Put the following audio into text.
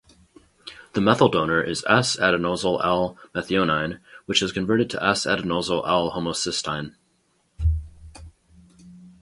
The methyl donor is S-adenosyl-L-methionine, which is converted to S-adenosyl-L-homocysteine.